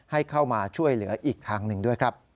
ให้เข้ามาช่วยเหลืออีกทางหนึ่งด้วยครับ